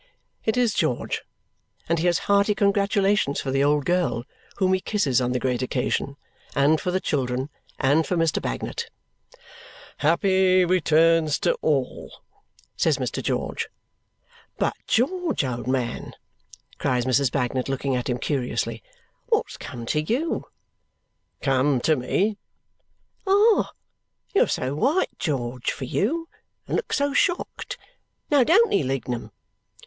It is George, and he has hearty congratulations for the old girl (whom he kisses on the great occasion), and for the children, and for Mr. Bagnet. "Happy returns to all!" says Mr. George. "But, George, old man!" cries Mrs. Bagnet, looking at him curiously. "What's come to you?" "Come to me?" "Ah! You are so white, George for you and look so shocked. Now don't he, Lignum?"